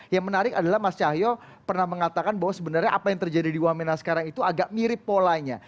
yang menarik adalah mas cahyo pernah mengatakan bahwa sebenarnya apa yang terjadi di wamena sekarang itu agak mirip polanya